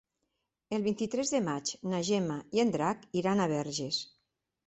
El vint-i-tres de maig na Gemma i en Drac iran a Verges.